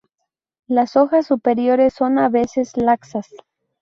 Las hojas superiores son a veces laxas.